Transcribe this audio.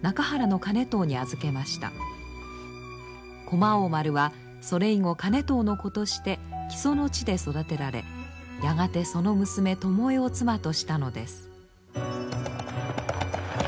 駒王丸はそれ以後兼遠の子として木曽の地で育てられやがてその娘巴を妻としたのです。